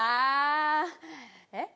「えっ？